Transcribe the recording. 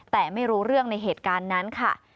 แต่ไม่รู้เรื่องในเหตุการณ์นั้นค่ะ